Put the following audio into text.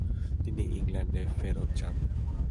তিনি ইংল্যান্ডে ফেরত যান।